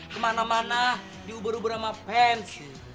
kemana mana diubur ubur sama pens